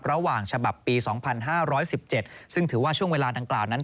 ระหว่างฉบับปี๒๕๑๗ซึ่งถือว่าช่วงเวลาดังกล่าวนั้น